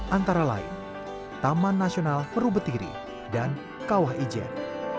antara lain taman nasional perubetiri dan kawah ijen